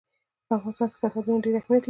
په افغانستان کې سرحدونه ډېر اهمیت لري.